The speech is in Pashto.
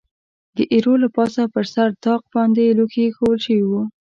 د ایرو له پاسه پر سر طاق باندې لوښي اېښوول شوي و.